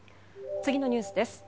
次のニュースです。